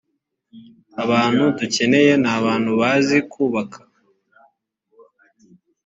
abantu dukeneye nabantu bazi kubaka